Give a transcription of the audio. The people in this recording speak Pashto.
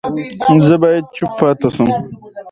مس د افغانستان د کلتوري میراث برخه ده.